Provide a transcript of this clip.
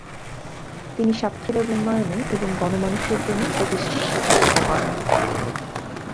তিনি সাতক্ষীরা উন্নয়নে এবং গণ-মানুষের জন্য প্রতিষ্ঠান প্রতিষ্ঠিত করেন।